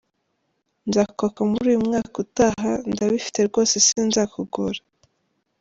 nzakwaka muri uyu mwaka utaha! Ndabifite rwose sinzakugora!.